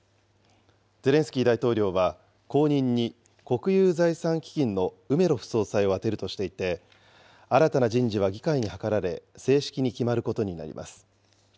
ゼレンスキー大統領は後任に国有財産基金のウメロフ総裁を充てるとしていて、新たな人事は議会に諮られ、正式に決まることになります。